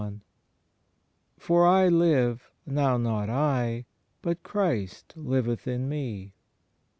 For "I live, now not I; but Christ liveth in me."